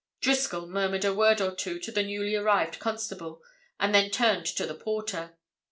Driscoll murmured a word or two to the newly arrived constable, and then turned to the porter.